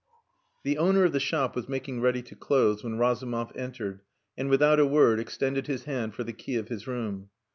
The owner of the shop was making ready to close when Razumov entered and without a word extended his hand for the key of his room.